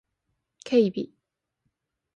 警備